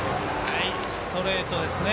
ストレートですね。